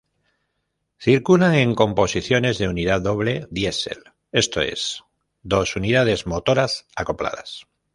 Circulan en composiciones de Unidad Doble Diesel, esto es, dos unidades motoras acopladas.